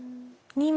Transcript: ２枚。